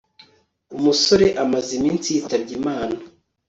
umusore amaze iminsi yitabye imana